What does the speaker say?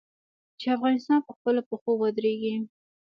چې افغانستان په خپلو پښو ودریږي.